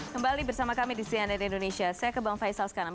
kembali bersama kami di cnn indonesia saya ke bang faisal sekarang